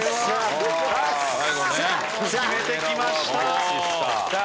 決めてきました。